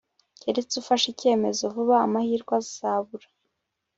keretse ufashe icyemezo vuba, amahirwe azabura